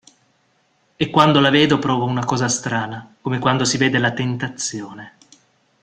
E quando la vedo provo una cosa strana, come quando si vede la tentazione.